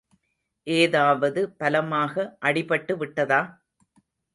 ஏதாவது பலமாக அடிபட்டு விட்டதா?